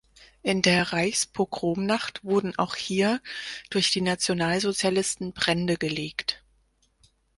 In der Reichspogromnacht wurden auch hier durch die Nationalsozialisten Brände gelegt.